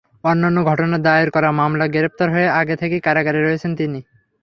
অন্যান্য ঘটনায় দায়ের করা মামলায় গ্রেপ্তার হয়ে আগে থেকেই কারাগারে রয়েছেন তিনি।